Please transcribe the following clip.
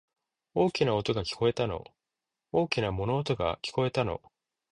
大きな音が、聞こえたの。大きな物音が、聞こえたの。